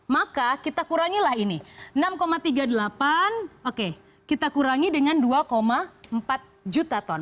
maka kita kurangilah ini enam tiga puluh delapan oke kita kurangi dengan dua empat juta ton